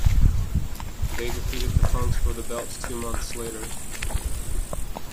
They defeated the Funks for the belts two months later.